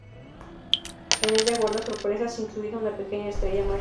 En ella guarda sorpresas, incluida una pequeña estrella mágica.